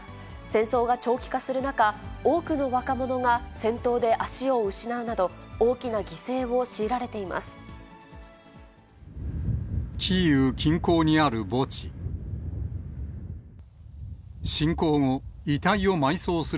戦争が長期化する中、多くの若者が戦闘で脚を失うなど、大きな犠牲を強いられています。